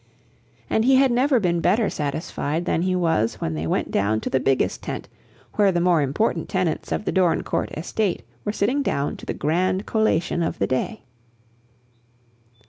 And he had never been better satisfied than he was when they went down to the biggest tent, where the more important tenants of the Dorincourt estate were sitting down to the grand collation of the day.